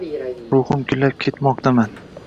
Ruhim gullab ketmoqdaman.